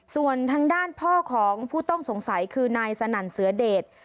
ส่วนทางด้านพ่อของผู้ต้องสงสัยคือนายสนั่นเสือเดช